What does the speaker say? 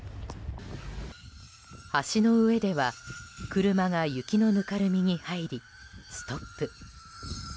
橋の上では、車が雪のぬかるみに入りストップ。